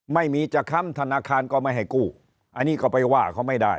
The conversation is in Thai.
ไม่มีจะค้ำธนาคารก็ไม่ให้กู้อันนี้ก็ไปว่าเขาไม่ได้